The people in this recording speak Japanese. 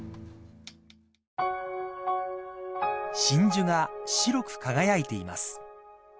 ［真珠が白く輝いています］